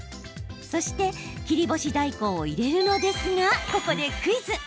そして切り干し大根を入れるのですがここでクイズ。